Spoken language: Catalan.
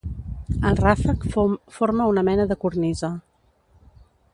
El ràfec forma una mena de cornisa.